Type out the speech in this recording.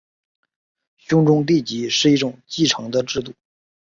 兄终弟及是一种继承的制度。